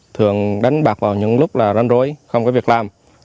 thường đánh bạc vào những lúc là rán rối không có việc làm